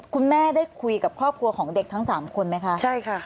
คุณแม่ได้คุยกับครอบครัวของเด็กทั้งสามคนไหมคะใช่ค่ะ